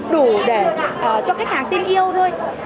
đủ để cho khách hàng tin yêu thôi